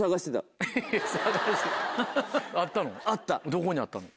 どこにあったの？